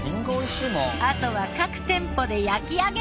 あとは各店舗で焼き上げ！